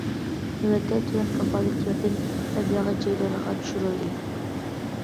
نۆۋەتتە تۆۋەن كاپالەت ياردەم مەبلىغى جايلارغا چۈشۈرۈلدى.